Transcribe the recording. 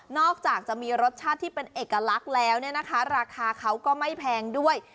จากจะมีรสชาติที่เป็นเอกลักษณ์แล้วเนี่ยนะคะราคาเขาก็ไม่แพงด้วย